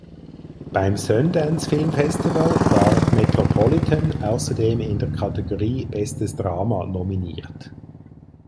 Beim Sundance Film Festival war "Metropolitan" außerdem in der Kategorie "Bestes Drama" nominiert.